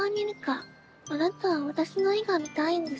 あなたは私の絵が見たいんでしょ？